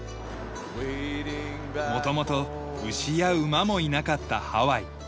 元々牛や馬もいなかったハワイ。